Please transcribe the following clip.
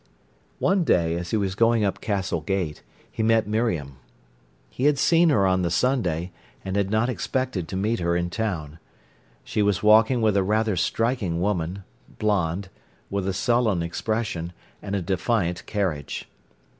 One day, as he was going up Castle Gate, he met Miriam. He had seen her on the Sunday, and had not expected to meet her in town. She was walking with a rather striking woman, blonde, with a sullen expression, and a defiant carriage.